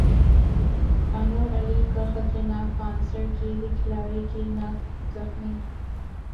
انور علی کا خطرناک bouncer Kiwi کھلاڑی کی نکھ زخمی